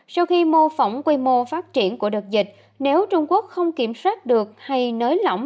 sau khi mô phỏng quy mô phát triển của đợt dịch nếu trung quốc không kiểm soát được hay nới lỏng